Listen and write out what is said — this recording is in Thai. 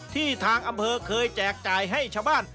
ทางอำเภอเคยแจกจ่ายให้ชาวบ้าน